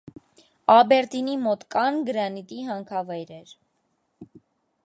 Աբերդինի մոտ կան գրանիտի հանքավայրեր։